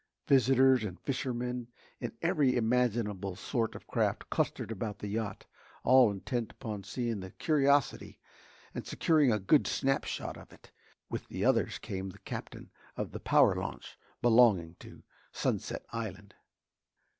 Visitors and fishermen in every imaginable sort of craft clustered about the yacht, all intent upon seeing the curiosity and securing a good snapshot of it. With the others, came the Captain of the power launch belonging to Sunset Island.